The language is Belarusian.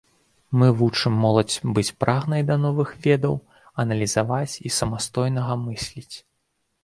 Мы вучым моладзь быць прагнай да новых ведаў, аналізаваць і самастойнага мысліць.